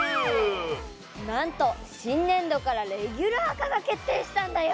なんとしんねんどからレギュラー化が決定したんだよ！